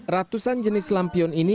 ratusan jenis lampion ini